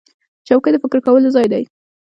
چوکۍ د فکر کولو ځای دی.